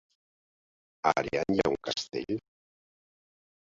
A Ariany hi ha un castell?